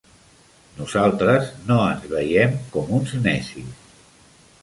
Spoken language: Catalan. Nosaltres no ens veiem com uns necis.